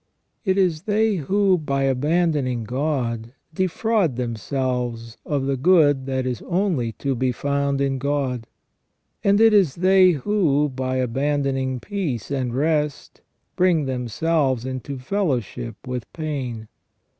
It is they who, by abandoning God, defraud themselves of the good that is only to be found in God ; and it is they who, by abandoning peace and rest, bring themselves into fellowship with pain.